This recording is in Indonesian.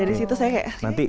jadi disitu saya kayak